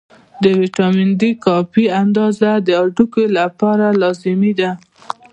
د ویټامین D کافي اندازه د هډوکو لپاره لازمي ده.